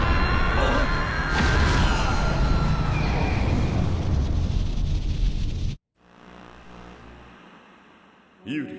ああっ⁉ユーリ